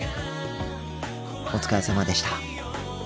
お疲れさまでした。